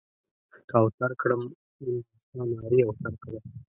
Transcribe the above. که اوتر کړم؛ نن دا ستا نارې اوتر کړم.